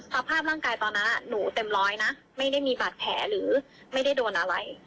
สภาพร่างกายตอนนั้นหนูเต็มร้อยนะไม่ได้มีบาดแผลหรือไม่ได้โดนอะไร